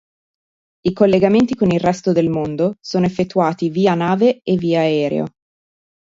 I collegamenti con il resto del mondo sono effettuati via nave e via aereo.